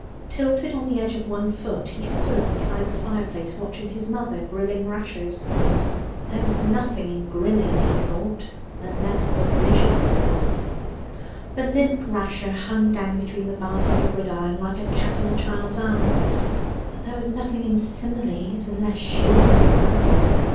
Tilted on the edge of one foot he stood beside the fireplace, watching his mother grilling rashers; but there was nothing in grilling, he thought, unless the Vision grilled. The limp rasher hung down between the bars of the gridiron like a cat in a child's arms; but there was nothing in similes, unless She uttered them.